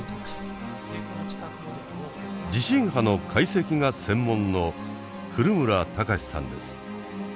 地震波の解析が専門の古村孝志さんです。